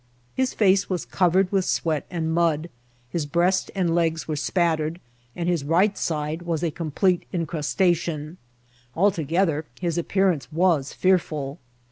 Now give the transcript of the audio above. His face was covered with sweat and mud; his breast and legs were spattered, and his right side was a complete incrustation; altogether, his appearance was fearful.